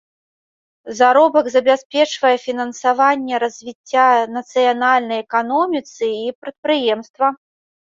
Заробак забяспечвае фінансаванне развіцця нацыянальнай эканоміцы і прадпрыемства.